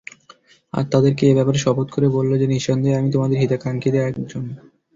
আর তাদেরকে এ ব্যাপারে শপথ করে বলল যে, নিঃসন্দেহে আমি তোমাদের হিতকাক্ষীদের একজন।